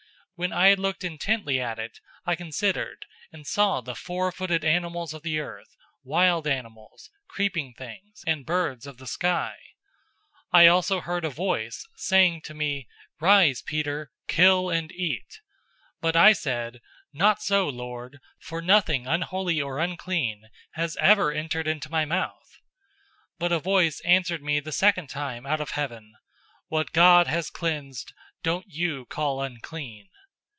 011:006 When I had looked intently at it, I considered, and saw the four footed animals of the earth, wild animals, creeping things, and birds of the sky. 011:007 I also heard a voice saying to me, 'Rise, Peter, kill and eat!' 011:008 But I said, 'Not so, Lord, for nothing unholy or unclean has ever entered into my mouth.' 011:009 But a voice answered me the second time out of heaven, 'What God has cleansed, don't you call unclean.'